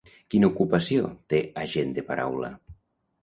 Quina ocupació té a Gent de paraula?